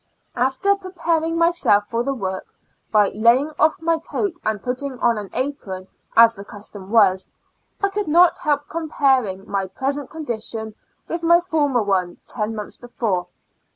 After preparing myself for the work, by laying off my coat, and putting on an apron, as the custom was, I could not help com paring my present condition with my former one, ten months before.